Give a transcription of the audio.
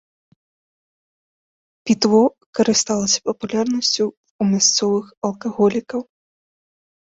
Пітво карысталася папулярнасцю ў мясцовых алкаголікаў.